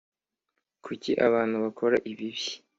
Kuki abantu bakora ibibi